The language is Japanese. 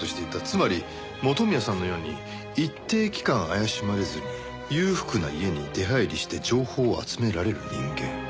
つまり元宮さんのように一定期間怪しまれずに裕福な家に出入りして情報を集められる人間。